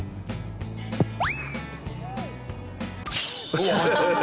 おっ入った！